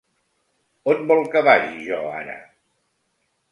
On vol que vagi, jo ara?